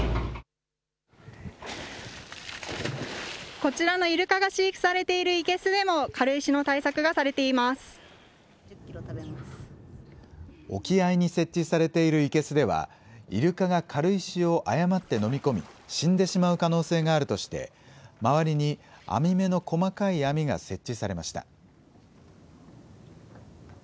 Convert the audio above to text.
こちらのイルカが飼育されている生けすでも、軽石の対策がさ沖合に設置されている生けすでは、イルカが軽石を誤って飲み込み、死んでしまう可能性があるとして、周りに編み目の細かい網が設置されました。